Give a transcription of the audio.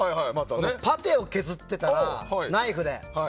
パテを削ってたの、ナイフで。